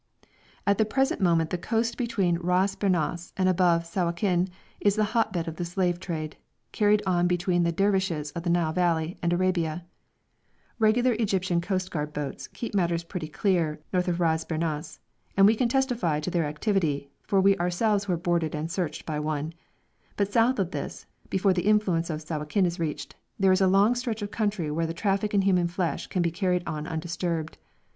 At the present moment the coast below Ras Bernas and above Sawakin is the hot bed of the slave trade, carried on between the Dervishes of the Nile Valley and Arabia. Regular Egyptian coastguard boats keep matters pretty clear north of Ras Bernas, and we can testify to their activity, for we ourselves were boarded and searched by one; but south of this, before the influence of Sawakin is reached, there is a long stretch of country where the traffic in human flesh can be carried on undisturbed.